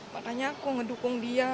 makanya aku ngedukung dia